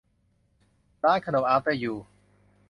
ร้านขนมอาฟเตอร์ ยู